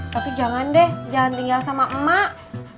tapi jangan deh jangan tinggal sama emak